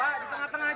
di tengah tengah pak